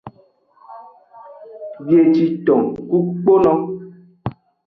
Biejenton ku kpono.